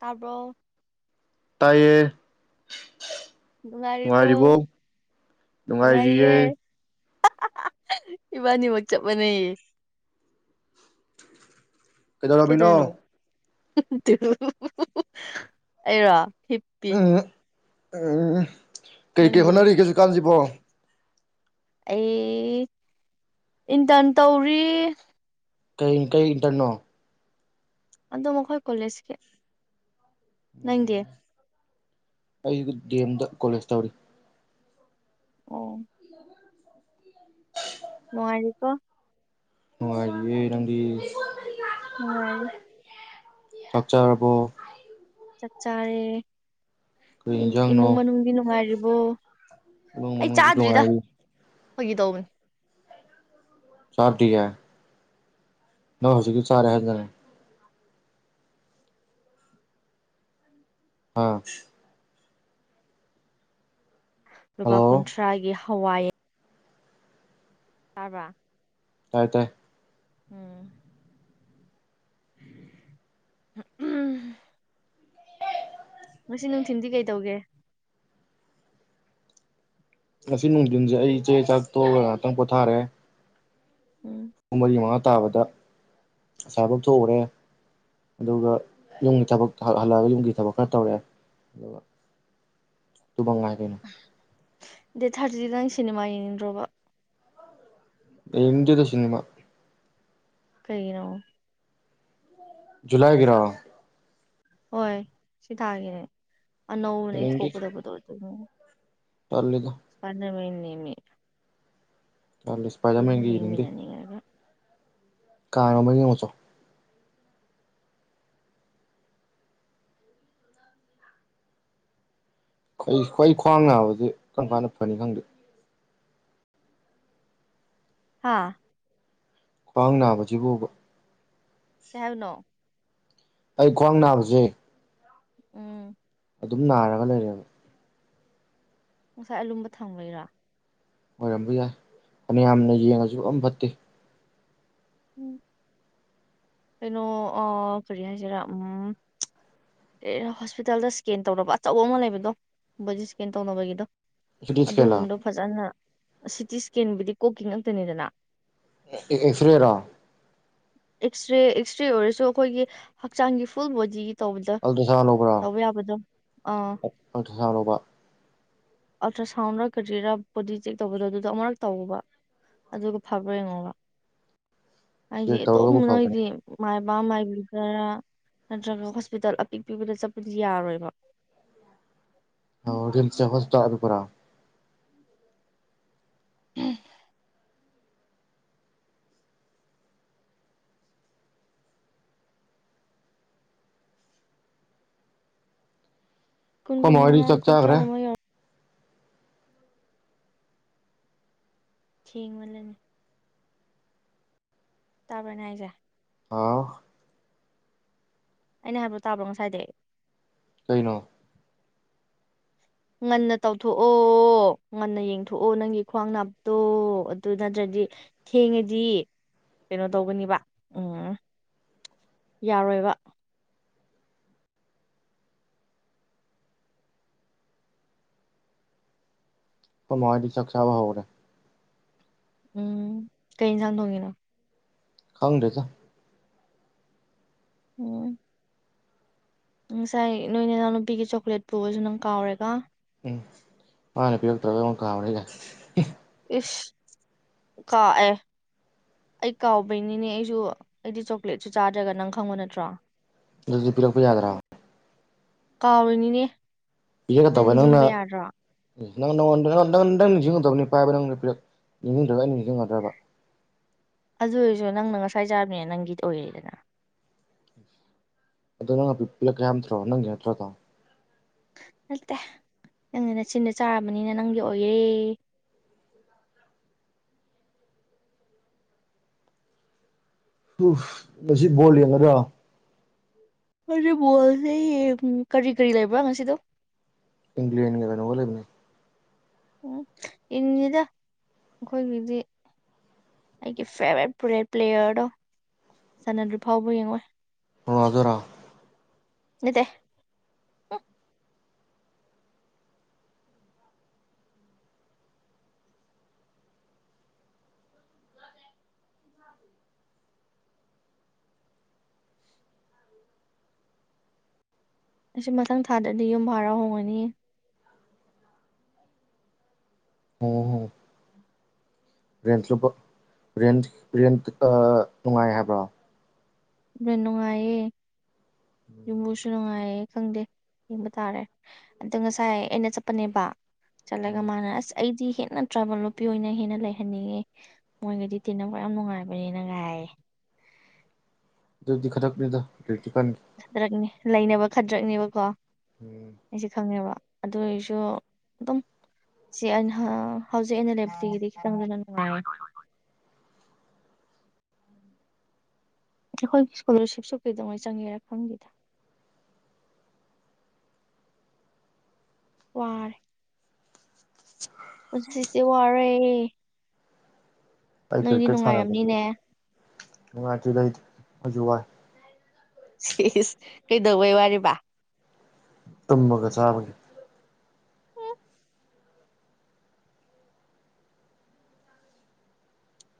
ꯇꯥꯔꯕꯣ ꯇꯥꯏꯌꯦ ꯅꯨꯡꯉꯥꯏꯔꯤꯕ꯭ꯔꯣ ꯅꯨꯡꯉꯥꯏꯔꯤꯕꯣ ꯅꯨꯡꯉꯥꯏꯔꯤꯌꯦ ꯏꯕꯥꯅꯤꯃꯛ ꯆꯞ ꯃꯅꯦꯩ ꯀꯩꯗꯧꯔꯝꯃꯤꯅꯣ ꯀꯩꯗꯣꯏꯅꯣ ꯑꯩꯔꯥ ꯎꯝ ꯎꯝ ꯀꯩ ꯀꯩ ꯅꯪꯗꯤ ꯍꯣꯠꯅꯔꯤꯒꯦꯖꯨꯀꯥꯟꯁꯤꯕꯣ ꯑꯩ ꯏꯟꯇꯔꯟ ꯇꯧꯔꯤ ꯀꯩ ꯀꯩ ꯏꯇꯔꯅꯣ ꯑꯗꯣ ꯃꯈꯣꯏ ꯀꯣꯂꯦꯖꯀꯤ ꯅꯪꯗꯤ ꯑꯩꯁꯨ ꯗꯤ ꯑꯦꯝꯗ ꯀꯣꯂꯦꯖ ꯇꯧꯔꯤ ꯑꯣ ꯍ ꯅꯨꯉꯥꯏꯔꯤꯕꯣ ꯅꯨꯡꯉꯥꯏꯌꯦ ꯅꯡꯗꯤ ꯅꯨꯡꯉꯥꯏꯔ ꯆꯥꯛꯆꯔꯕꯣ ꯆꯥꯛ ꯆꯥꯔꯦ ꯀꯔꯤ ꯌꯦꯟꯖꯥꯡꯅꯣ ꯏꯃꯨꯡ ꯃꯅꯨꯡꯗꯤ ꯅꯨꯡꯉꯥꯏꯔꯤꯕꯣ ꯏꯃꯨꯡ ꯑꯩ ꯃꯅꯨꯡꯁꯨ ꯆꯥꯗ꯭ꯔꯤꯗ ꯅꯨꯡꯉꯥꯏꯔꯤ ꯐꯣꯏꯒꯤ ꯇꯧꯕꯅꯤ ꯆꯥꯗꯤꯔꯆꯦ ꯅ ꯍꯧꯖꯤꯛꯀꯤ ꯆꯥꯔꯦ ꯍꯥꯏꯟꯖꯅꯦ ꯑꯥ ꯂꯨꯄꯥ ꯍꯜꯂꯣ ꯀꯨꯟꯊ꯭ꯔꯥꯒꯤ ꯍꯋꯥꯏ ꯇꯥꯔꯕ ꯇꯥꯏ ꯇꯥꯏ ꯎꯝ ꯎꯝ, ꯉꯁꯤꯅꯨꯡꯊꯤꯟꯗꯤ ꯀꯩꯇꯧꯒꯦ ꯉꯁꯤ ꯅꯨꯡꯊꯤꯟꯁꯦ ꯑꯩ ꯏꯆꯦ ꯆꯥꯛ ꯇꯣꯛꯑꯒ ꯉꯍꯥꯛꯇꯪ ꯄꯣꯊꯥꯔꯦ ꯎꯝ ꯄꯨꯡ ꯃꯔꯤ ꯃꯉꯥ ꯇꯥꯕꯗ ꯑꯁꯥꯕꯛ ꯊꯣꯛꯎꯔꯦ ꯑꯗꯨꯒ ꯌꯨꯝꯒꯤ ꯊꯕꯛ ꯍꯜꯂꯛꯑꯒ ꯌꯨꯝꯒꯤ ꯊꯕꯛ ꯈꯔ ꯇꯧꯔꯛꯑꯦ ꯑꯗꯨꯒ ꯇꯨꯕ ꯉꯥꯏꯗꯣꯏꯅꯣ ꯗꯦ ꯊꯥꯔꯇꯗꯪ ꯁꯤꯅꯦꯃꯥ ꯌꯦꯅꯤꯟ꯭ꯔꯣꯕ ꯑꯦꯗꯗ ꯁꯤꯟꯅꯦꯃ ꯀꯩꯩꯅꯣ ꯖꯨꯨꯂꯥꯏꯒꯤꯔꯣ ꯍꯣꯏ ꯁꯤ ꯊꯥꯒꯤꯅꯦ ꯑꯅꯧꯕꯅꯦ ꯊꯣꯛꯀꯗꯕꯗꯣ ꯑꯗꯨꯅꯦ ꯇꯔꯂꯦꯗ ꯐꯅ ꯃꯅꯤꯃꯤ ꯇꯥꯜꯂꯦ ꯏꯁꯄꯥꯏꯗꯔ ꯃꯍꯒ ꯆꯥꯡꯅꯡꯗꯦ ꯌꯦꯡꯃꯤꯟꯅꯅꯤꯡꯉꯒ ꯀꯥ ꯑꯃ ꯌꯦꯡꯉꯣꯆꯣ ꯈ꯭ꯋꯥꯏ ꯈ꯭ꯋꯥꯡ ꯅꯥꯕꯕꯁꯤ ꯀꯔꯝ ꯀꯥꯟꯅ ꯐꯅꯤ ꯈꯪꯗꯦ ꯍꯥꯥ ꯈꯋꯥ ꯅꯥꯕꯁꯤꯕꯥꯕ ꯀꯩꯍꯥꯏꯅꯦ ꯑꯩ ꯈ꯭ꯋꯥꯡ ꯅꯥꯕꯁꯦ ꯎꯝ ꯑꯗꯨꯝ ꯅꯥꯔꯒ ꯂꯩꯔꯦꯕ ꯉꯁꯥꯏ ꯑꯂꯨꯝꯕ ꯊꯝꯕꯩꯔꯥ ꯑꯣꯏꯔꯝꯕ ꯌꯥꯏ ꯐꯅꯌꯥꯝꯅ ꯌꯦꯡꯉꯁꯨ ꯑ ꯐꯠꯇꯦ ꯎꯝ ꯀꯩꯅꯣ ꯑ ꯀꯔꯤ ꯍꯥꯏꯁꯤꯔꯥ ꯎꯝ ꯑꯦ ꯍꯣꯁꯄꯤꯇꯥꯜꯗ ꯁ꯭ꯀꯦꯟ ꯇꯧꯔꯕ ꯑꯆꯧꯕ ꯑꯃ ꯂꯩꯕꯗꯣ ꯕꯣꯗꯤ ꯁ꯭ꯀꯦꯟ ꯇꯧꯅꯕꯒꯤꯗꯣ ꯁꯤꯇꯤ ꯁ꯭ꯀꯦꯟꯂꯥ ꯑꯗꯨꯒꯨꯝꯕꯗꯣ ꯐꯖꯅ ꯁꯤꯇꯤ ꯏꯁꯀꯦꯟꯕꯨꯗꯤ ꯀꯣꯛꯀꯤ ꯉꯥꯛꯇꯅꯤꯗꯅ ꯑꯦꯛꯁ ꯔꯦꯔꯣ ꯑꯦꯛꯁꯔꯦ ꯑꯦꯛꯁꯔꯦ ꯑꯣꯏꯔꯁꯨ ꯑꯩꯈꯣꯏꯒꯤ ꯍꯛꯆꯥꯡꯒꯤ ꯐꯨꯜ ꯕꯣꯗꯤ ꯇꯧꯕꯗꯣ ꯑꯜꯇ꯭ꯔꯥꯁꯥꯎꯟ ꯂꯧꯕ꯭ꯔꯥ ꯇꯧꯕ ꯌꯥꯕꯗꯣ ꯑꯥ [unintelligible] ꯑꯜꯇ꯭ꯔ ꯁꯥꯎꯟꯔ ꯀꯔꯤꯔꯥ ꯕꯣꯗꯤ ꯆꯦꯛ ꯇꯧꯕꯗꯣ ꯑꯗꯨꯗꯣ ꯑꯃꯛꯨꯔꯛ ꯇꯧꯑꯣꯕ ꯑꯗꯨꯒ ꯐꯕ꯭ꯔ ꯌꯦꯡꯉꯣꯕ ꯍꯥꯏꯗꯤ ꯆꯦꯛ ꯑꯗꯨꯝ ꯇꯧꯔꯒꯕꯨ ꯐꯕꯅꯦ ꯅꯣꯏꯗꯤ ꯃꯥꯏꯕ ꯃꯥꯏꯕꯤꯗꯔ ꯅꯠꯇ꯭ꯔꯒ ꯍꯣꯁꯄꯤꯇꯥꯜ ꯑꯄꯤꯛ ꯄꯤꯛꯕꯗ ꯆꯠꯄꯗꯤ ꯌꯥꯔꯣꯏꯕ ꯑꯣ ꯔꯤꯝꯁꯁꯦ ꯍꯣꯁꯄꯤꯇꯥꯜ ꯑꯄꯤꯛꯄꯔꯥ ꯎꯝ ꯀꯨꯟ ꯑꯩꯈꯣꯏ ꯃꯥ ꯍꯣꯏꯗꯤ ꯀꯨꯟꯃꯉꯥ ꯆꯥꯛ ꯆꯥꯈ꯭ꯔꯦ ꯀꯨꯟꯊ꯭ꯔꯥꯒꯨꯝꯕ ꯌꯧ ꯊꯦꯡ ꯃꯥꯟꯂꯅꯦ ꯇꯥꯕ꯭ꯔ ꯅꯩꯅ ꯍꯥꯏꯁꯦ ꯑꯥ ꯑꯩꯅ ꯍꯥꯏꯕ ꯇꯥꯕ꯭ꯔꯣ ꯉꯁꯥꯏꯗꯩ ꯀꯩꯅꯣ ꯉꯟꯅ ꯇꯧꯊꯣꯛꯑꯣ ꯉꯟꯅ ꯌꯦꯡꯊꯣꯛꯑꯣ ꯅꯪꯒꯤ ꯈ꯭ꯋꯥꯡ ꯅꯥꯕꯗꯣ ꯑꯗꯨ ꯅꯠꯇ꯭ꯔꯗꯤ ꯊꯦꯡꯉꯗꯤ ꯀꯩꯅꯣ ꯇꯧꯒꯅꯤꯕ ꯎꯝ ꯌꯥꯔꯣꯏꯕ ꯐꯩꯈꯣꯏ ꯃꯥ ꯍꯣꯏꯗꯤ ꯆꯥꯛ ꯆꯥꯕ ꯍꯧꯍꯧꯔꯦ ꯎꯝ ꯀꯩ ꯏꯟꯁꯥꯡ ꯊꯣꯡꯉꯤꯅꯣ ꯈꯪꯗꯦꯗ ꯑꯣ ꯉꯁꯥꯏ ꯅꯣꯏ ꯅꯅꯥꯎ ꯅꯨꯄꯤꯒꯤ ꯆꯣꯀ꯭ꯂꯦꯠ ꯄꯨꯕꯁꯨ ꯅꯪ ꯀꯥꯎꯔꯦꯀꯣ ꯎꯝ ꯃꯥꯅ ꯄꯤꯔꯛꯇ꯭ꯔꯒ ꯑꯩꯉꯣꯟ ꯀꯥꯎꯔꯦꯀꯥꯏ ꯏꯁ ꯀꯥ ꯑꯦ ꯑꯩ ꯀꯥꯎꯕꯩꯅꯤꯅꯦ ꯑꯩꯁꯨ ꯑꯩꯗꯤ ꯆꯣꯀ꯭ꯂꯦꯠꯁꯨ ꯆꯥꯗ꯭ꯔꯒ ꯅꯪ ꯈꯪꯕ ꯅꯠꯇ꯭ꯔꯣ ꯑꯗꯨꯗꯤ ꯄꯤꯔꯛꯄ ꯌꯥꯗ꯭ꯔꯥ ꯀꯥꯎꯔꯤꯅꯤꯅꯦ [unintelligible] ꯅꯪ ꯇꯧꯕ ꯅꯪꯅ ꯅꯤꯡꯁꯤꯡꯕ ꯌꯥꯗ꯭ꯔꯣ ꯎ ꯅꯪꯉꯣꯟ ꯅꯪ ꯅꯤꯡꯁꯤꯡꯉꯗꯕꯅꯤ ꯄꯥꯏꯕ ꯅꯪ ꯅꯤꯡꯁꯤꯡ꯭ꯔꯒ ꯑꯩ ꯅꯤꯡꯁꯤꯡꯒꯗ꯭ꯔꯕ ꯑꯗꯨ ꯑꯣꯏꯔꯁꯨ ꯅꯪꯅ ꯉꯁꯥꯏ ꯆꯥꯕꯅꯤꯅ ꯅꯪꯒꯤ ꯑꯣꯏꯔꯦꯗꯅ ꯑꯗꯣ ꯅꯪ ꯑꯄꯤꯛ [unintelligible] ꯇ꯭ꯔꯣ ꯅꯪꯒꯤ ꯅꯠꯇ꯭ꯔꯣ ꯑꯗꯣ ꯅꯠꯇꯦ ꯅꯪ ꯅꯆꯤꯟꯗ ꯆꯥꯔꯕꯅꯤꯅ ꯅꯪꯒꯤ ꯑꯣꯏꯔꯦ ꯎꯐ ꯉꯁꯤ ꯕꯣꯜ ꯌꯦꯡꯒꯗ꯭ꯔꯣ [unintelligible] ꯀꯔꯤ ꯀꯔꯤ ꯂꯩꯕ꯭ꯔꯥ ꯉꯁꯤꯗꯣ ꯏꯪꯂꯦꯟꯒ ꯀꯩꯅꯣꯒ ꯂꯩꯕꯅꯦ ꯎꯝ ꯏꯡꯉꯤꯗ ꯑꯩꯈꯣꯏꯒꯤꯗꯤ ꯑꯩꯒꯤ ꯐꯦꯚꯣꯔꯥꯏꯠ ꯄ꯭ꯂꯦꯌꯔꯗꯣ ꯁꯅꯥꯗ꯭ꯔꯤ ꯐꯥꯎꯕ ꯌꯦꯡꯉꯣꯏ ꯔꯣꯅꯥꯜꯗꯣꯔꯣ ꯅꯠꯇꯦ ꯑꯩꯁꯤ ꯃꯊꯪ ꯊꯥꯗꯗꯤ ꯌꯨꯝ ꯕꯔ ꯍꯣꯡꯉꯅꯤ ꯍꯣꯡꯉꯣ ꯍꯣꯡꯉꯣ ꯔꯦꯟ ꯂꯨꯄ ꯔꯦꯟ ꯔꯦꯟ ꯑ ꯅꯨꯡꯉꯥꯏ ꯍꯥꯏꯕ꯭ꯔꯣ ꯔꯦꯟ ꯅꯨꯡꯉꯥꯏꯑꯦ ꯎꯝ ꯌꯨꯝꯕꯨꯁꯨ ꯅꯨꯡꯉꯥꯏꯌꯦ ꯈꯪꯗꯦ ꯌꯦꯡꯕ ꯇꯥꯔꯦ ꯑꯗꯣ ꯉꯁꯥꯏ ꯑꯩꯅ ꯆꯠꯄꯅꯦꯕ ꯆꯠꯂꯒ ꯃꯥꯅ ꯑꯁ ꯑꯩꯗꯤ ꯍꯦꯟꯅ ꯇ꯭ꯔꯥꯕꯦꯜ ꯅꯨꯄꯤ ꯑꯣꯏꯅ ꯍꯦꯟꯅ ꯂꯩꯍꯟꯅꯤꯡꯉꯦ ꯃꯣꯏꯒꯗꯤ ꯇꯤꯟꯅꯕ ꯌꯥꯝ ꯅꯨꯡꯉꯥꯏꯕꯅꯦ ꯅꯪꯒ ꯍꯥꯏꯌꯦ ꯑꯗꯨꯗꯤ ꯈꯗ꯭ꯔꯛꯅꯤꯗ ꯄꯔ꯭ꯦꯇꯤꯛꯀꯦꯟꯒꯤ ꯈꯗ꯭ꯔꯛꯅꯦ ꯂꯩꯅꯕ ꯈꯗ꯭ꯔꯛꯅꯦꯕꯀꯣ ꯎꯝ ꯑꯩꯁꯨ ꯈꯪꯉꯦꯕ ꯑꯗꯨ ꯑꯣꯏꯔꯁꯨ ꯑꯗꯨꯝ ꯁꯤ ꯑ ꯍꯧꯖꯤꯛ ꯑꯩꯅ ꯂꯩꯕꯗꯒꯤꯗꯤ ꯈꯤꯇꯪꯗꯤ ꯅꯨꯡꯉꯥꯏ ꯑꯩꯈꯣꯏꯒꯤ ꯏꯁꯀꯣꯂꯔꯁꯤꯞꯁꯨ ꯀꯩꯗꯧꯉꯩ ꯆꯪꯒꯦꯔꯥ ꯈꯪꯗꯦꯗ ꯋꯥꯔ [unintelligible] ꯄꯨꯟꯁꯤꯁꯦ ꯋꯥꯔꯦ ꯑꯩ ꯅꯣꯏꯗꯤ ꯀ꯭ꯔꯤꯛꯀꯦꯠ ꯁꯥꯟꯅꯕꯁ ꯅꯨꯡꯉꯥꯏꯔꯝꯅꯤꯅꯦ ꯅꯨꯡꯉꯥꯏꯇ꯭ꯔꯤꯗꯩꯗꯤ ꯑꯩꯁꯨ ꯋꯥꯏ ꯁꯤ ꯀꯩꯗꯧꯕꯩ ꯋꯥꯔꯤꯕ ꯇꯨꯝꯕꯒ ꯆꯥꯕꯒ ꯎꯝ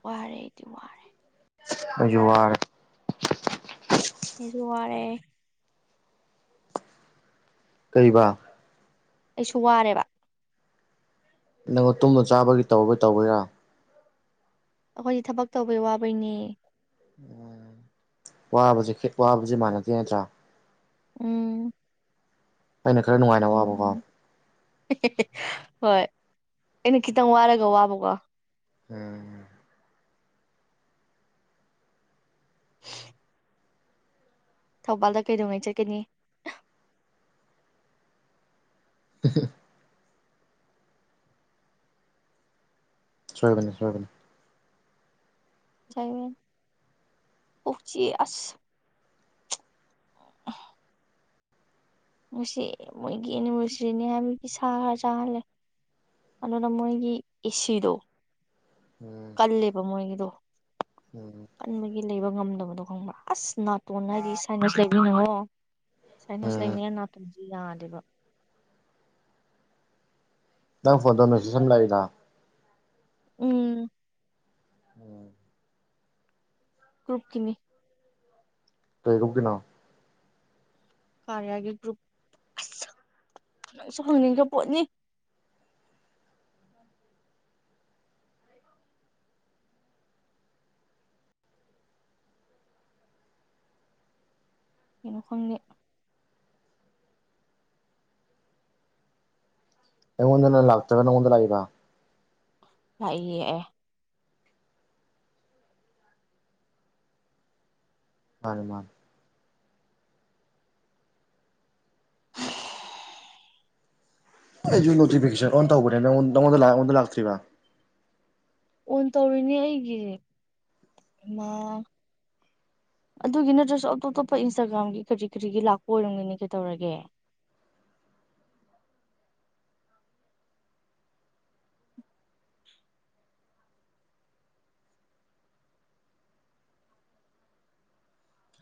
ꯋꯥꯔꯦ ꯑꯩꯗꯤ ꯋꯥꯔꯦ ꯑꯩꯖꯨ ꯋꯥꯔꯦ ꯍꯖ ꯋꯥꯔꯦ ꯀꯩꯕ ꯑꯩꯁꯨ ꯋꯥꯔꯦꯕ ꯅꯪꯉꯣ ꯇꯨꯝꯕ ꯆꯥꯕꯒꯤ ꯇꯧꯕꯩ ꯇꯧꯕꯩꯔꯥ ꯑꯩꯈꯣꯏꯗꯤ ꯊꯕꯛ ꯇꯧꯕꯩ ꯋꯥꯕꯩꯅꯦ ꯎꯝ ꯋꯥꯁꯦ ꯋꯥꯕꯕꯁꯤ ꯃꯥꯟꯅꯗꯦ ꯅꯠꯇ꯭ꯔꯥ ꯎꯝ ꯑꯩꯅ ꯈꯔ ꯅꯨꯡꯉꯥꯏ ꯍꯣꯏ ꯑꯩꯅ ꯈꯤꯇꯪ ꯋꯥꯔꯒ ꯋꯥꯕꯀꯣ ꯎꯝ ꯎ [unintelligible] ꯊꯧꯕꯥꯜꯗ ꯀꯩꯗꯧꯉꯩ ꯆꯠꯀꯅꯤ ꯍ [unintelligible] ꯁꯣꯏꯕꯅꯤ ꯁꯣꯏꯕꯅꯤ ꯎꯆ ꯑꯁ ꯑꯣ ꯉꯁꯤ ꯃꯣꯏꯒꯤ ꯑꯦꯅꯤꯚꯔꯁꯔꯤꯅꯤ ꯍꯥꯏꯕꯒꯤ ꯁꯥ ꯈꯔ ꯆꯥꯍꯜꯂꯦ ꯑꯗꯨꯅ ꯃꯣꯏꯒꯤ ꯑꯦꯁꯤꯗꯣ ꯎꯝ ꯀꯜꯂꯦꯕ ꯃꯣꯏꯒꯤꯗꯣ ꯎꯝ ꯀꯟꯕꯒꯤ ꯂꯩꯕ ꯉꯝꯗꯕꯗꯣ ꯈꯪꯕ꯭ꯔꯥ ꯑꯁ ꯅꯥꯇꯣꯟ ꯍꯥꯏꯗꯤ ꯁꯥꯏ ꯂꯩꯉꯣ ꯁꯥꯏꯅꯤꯁ ꯎꯝ ꯂꯩꯅꯤꯅ ꯅꯥꯇꯣꯟꯁꯨ ꯌꯥꯗꯦꯕ ꯅꯪ ꯐꯣꯟ ꯇꯧ ꯃꯦꯁꯦꯖ ꯑꯃ ꯂꯥꯛꯏꯗ ꯎꯝ ꯎꯝ ꯀ꯭ꯔꯨꯞꯀꯤꯅꯤ ꯇꯒꯨꯝ ꯀꯅꯥꯣ ꯀꯥꯔꯤꯌꯥꯒꯤ ꯒ꯭ꯔꯨꯞ ꯑꯁ ꯅ ꯅꯪꯁꯨ ꯍꯪꯅꯤꯡꯕ ꯄꯣꯠꯅꯤ ꯀꯩꯅꯣ ꯈꯪꯗꯦ ꯑꯩꯉꯣꯟꯗꯅ ꯂꯥꯛꯇꯕꯅ ꯃꯣꯟꯗ ꯂꯥꯛꯕ ꯂꯥꯛꯏ ꯑꯦ ꯃꯥꯅꯤ ꯃꯥ [inaudible] ꯑꯩꯁꯨ ꯅꯣꯇꯤꯐꯤꯀꯦꯁꯟ ꯑꯣꯟ ꯇꯧꯕꯅꯦ ꯅꯪꯟ ꯅꯉꯣꯟꯗ ꯂꯥꯛꯉꯗ ꯂꯥꯛꯇ꯭ꯔꯤꯕꯥ ꯑꯣꯟ ꯇꯧꯔꯤꯅꯦ ꯑꯩꯒꯤ ꯃ ꯑꯗꯨꯒꯤ ꯅꯠꯇ꯭ꯔꯁꯨ ꯑꯇꯣꯞ ꯑꯇꯣꯞꯄ ꯏꯟꯁꯇꯥꯒ꯭ꯔꯥꯝꯒꯤ ꯀꯔꯤ ꯀꯔꯤꯒꯤ ꯂꯥꯛꯄ ꯑꯣꯏꯔꯝꯒꯅꯤ ꯀꯩꯗꯧꯔꯒꯦ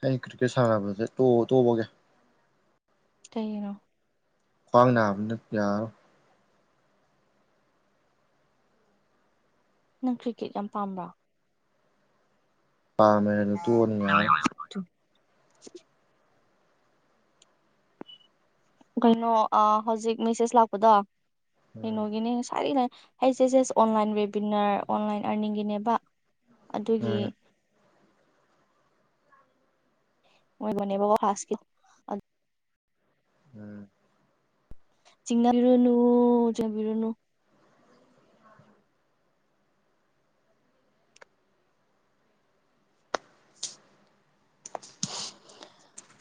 ꯑꯩ ꯀ꯭ꯔꯤꯛꯀꯦꯠ ꯁꯥꯟꯅꯕꯁꯦ ꯇꯣꯛ ꯇꯣꯛꯑꯒꯦ ꯀꯅꯣ ꯈ꯭ꯋꯥꯡ ꯅꯥꯕꯅ ꯌꯥꯔꯣꯏ ꯅꯪ ꯀ꯭ꯔꯤꯀꯦꯠ ꯌꯥꯝ ꯄꯥꯝꯕ꯭ꯔꯥ ꯄꯃꯦ ꯑꯗꯨ ꯇꫭꯛꯑꯅꯤ ꯌꯥ ꯀꯩꯅꯣ ꯍꯧꯖꯤꯛ ꯃꯦꯁꯦꯖ ꯂꯥꯛꯄꯗꯣ ꯎꯝ ꯀꯩꯅꯣꯒꯤꯅꯦ ꯉ ꯁꯔꯤꯅ ꯑꯩꯁꯦꯖꯦꯁ ꯑꯣꯟꯂꯥꯏꯟ ꯋꯦꯕꯤꯅꯔ ꯑꯣꯟꯂꯥꯏꯟ ꯑꯥꯔꯅꯤꯡꯒꯤꯅꯦꯕ ꯑꯗꯨꯒꯤ ꯎꯝ ꯑꯣꯏꯕꯅꯦꯕ [unintelligible] ꯎꯝ ꯆꯤꯡꯅꯕꯤꯔꯨꯅꯨꯑꯣ ꯆꯤꯡꯕꯤꯔꯨꯅꯨ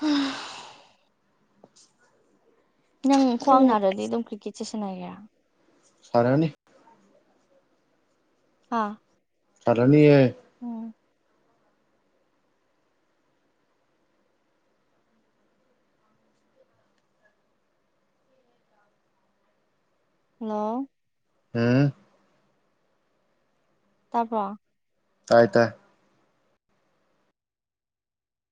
ꯎꯝ ꯅꯪ ꯈꯨꯋ꯭ꯥꯡꯅꯗ꯭ꯔꯗꯤ ꯑꯗꯨꯝ ꯀ꯭ꯔꯤꯀꯦꯠꯁꯦ ꯁꯥꯟꯅꯒꯦꯔꯥ ꯁꯥꯅꯅꯤ ꯍꯥꯥ ꯁꯥꯅꯥꯅꯤꯌꯦ ꯍꯜꯂꯣ ꯎꯝ ꯇꯥꯕ꯭ꯔꯣ ꯇꯥꯏ ꯇꯥꯏ